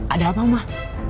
ada apa omah